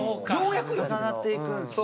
重なっていくんですね。